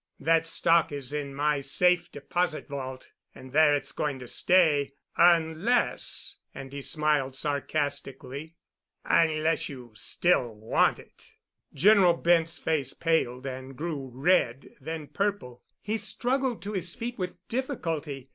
That stock is in my safe deposit vault, where it's going to stay—unless"—and he smiled sarcastically—"unless you still want it." General Bent's face paled and grew red, then purple. He struggled to his feet with difficulty.